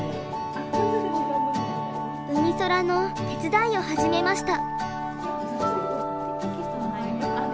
うみそらの手伝いを始めました。